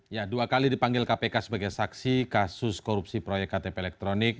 ya dua kali dipanggil kpk sebagai saksi kasus korupsi proyek ktp elektronik